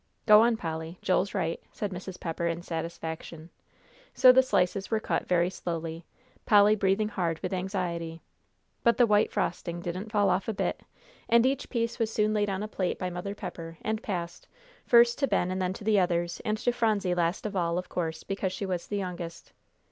"Go on, Polly, Joel's right," said Mrs. Pepper, in satisfaction. So the slices were cut very slowly, Polly breathing hard with anxiety. But the white frosting didn't fall off a bit, and each piece was soon laid on a plate by Mother Pepper, and passed, first to Ben and then to the others, and to Phronsie last of all, of course, because she was the youngest.